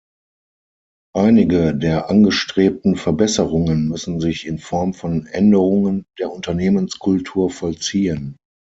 Einige der angestrebten Verbesserungen müssen sich in Form von Änderungen der Unternehmenskultur vollziehen.